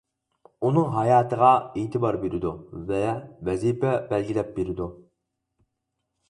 ئۇنىڭ ھاياتىغا ئېتىبار بېرىدۇ ۋە ۋەزىپە بەلگىلەپ بېرىدۇ.